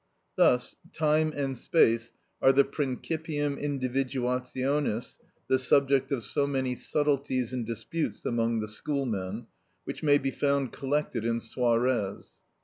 Thus time and space are the principium individuationis, the subject of so many subtleties and disputes among the schoolmen, which may be found collected in Suarez (Disp.